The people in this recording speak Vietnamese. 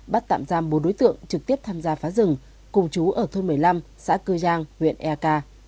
bắt tạm giam bốn đối tượng trực tiếp tham gia phá rừng cùng chú ở thôn một mươi năm xã cư giang huyện eka